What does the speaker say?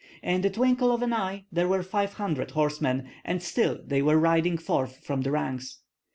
In the twinkle of an eye there were five hundred horsemen, and still they were riding forth from the ranks.